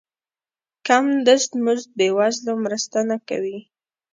کم دست مزد بې وزلو مرسته نه کوي.